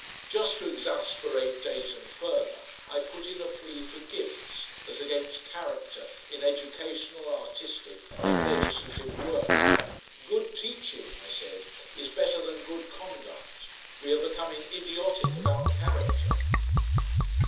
Just to exasperate Dayton further I put in a plea for gifts as against character in educational, artistic, and legislative work. "Good teaching," I said, "is better than good conduct. We are becoming idiotic about character."